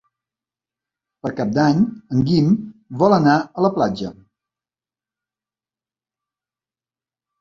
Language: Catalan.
Per Cap d'Any en Guim vol anar a la platja.